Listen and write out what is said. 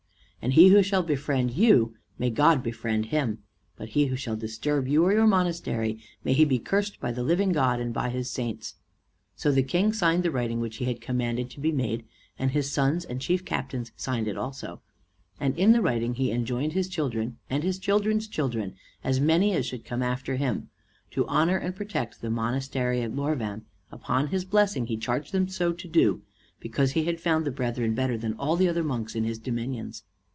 And he who shall befriend you, may God befriend him; but he who shall disturb you or your monastery, may he be cursed by the living God and by his saints." So the King signed the writing which he had commanded to be made, and his sons and chief captains signed it also, and in the writing he enjoined his children and his children's children, as many as should come after him, to honor and protect the monastery of Lorvam; upon his blessing he charged them so to do, because he had found the brethren better than all the other monks in his dominions.